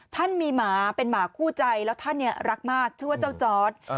ท่านมีหมาเป็นหมาคู่ใจแล้วท่านรักมากชื่อว่าเจ้าจอร์ด